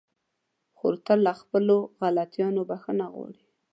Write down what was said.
خور تل له خپلو غلطيانو بخښنه غواړي.